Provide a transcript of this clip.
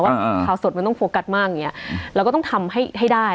ข่าวสดมันต้องโฟกัสมากอย่างเงี้ยเราก็ต้องทำให้ให้ได้